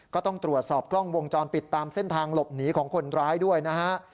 ก็ต้องตรวจสอบกล้องวงจรปิดตามเส้นทางหลบหนีของคนร้ายด้วยนะฮะ